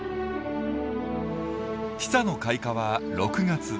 「ティサの開花」は６月。